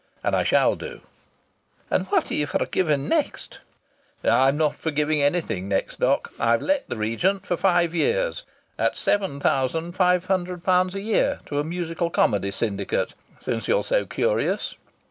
And I shall do!" "And what are ye for giving next?" "I'm not for giving anything next, doc. I've let the Regent for five years at seven thousand five hundred pounds a year to a musical comedy syndicate, since you're so curious.